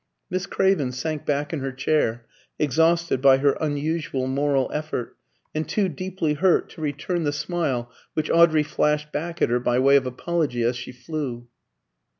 Miss Craven sank back in her chair, exhausted by her unusual moral effort, and too deeply hurt to return the smile which Audrey flashed back at her, by way of apology, as she flew.